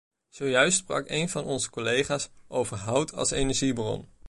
Zojuist sprak een van onze collega's over hout als energiebron.